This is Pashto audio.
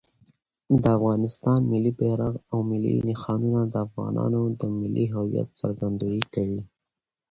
د افغانستان ملي بیرغ او ملي نښانونه د افغانانو د ملي هویت څرګندویي کوي.